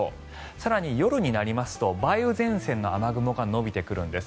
更に、夜になりますと梅雨前線の雨雲が延びてくるんです。